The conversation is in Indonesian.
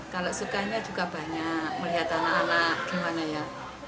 kalau sukanya juga banyak melihat anak anak gimana ya